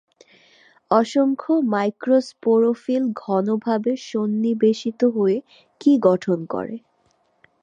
অসংখ্য মাইক্রোস্পোরোফিল ঘনভাবে সন্নিবেশিত হয়ে কী গঠন করে?